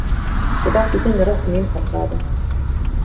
Ta tahtis enne rohkem infot saada.